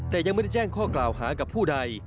แต่ยังไม่ได้แจ้งข้อกล่าวหากับผู้ใด